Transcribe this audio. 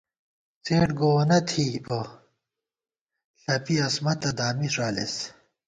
څېڈ گووَنہ تھِی بہ ݪَپی، عصمَتہ دامی ݫالېس